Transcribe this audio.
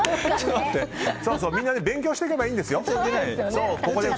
みんな勉強してけばいいんです。